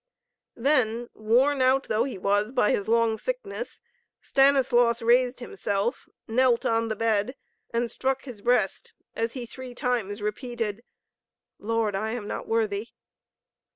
Then, worn out though he was by his long sickness, Stanislaus raised himself, knelt on the bed, and struck his breast as he three times repeated: "Lord, I am not worthy!"